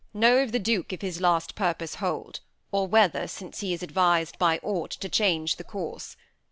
Know of the Duke if his last purpose hold, Or whether since he is advis'd by aught To change the course.